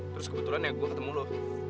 terus kebetulan ya gue ketemu lo